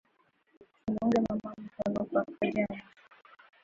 Tu muunge mama mukono kwa kaji ya mashamba